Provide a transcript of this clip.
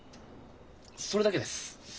それだけです。